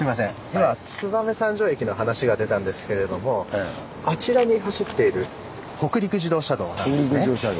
今燕三条駅の話が出たんですけれどもあちらに走っている北陸自動車道なんですね。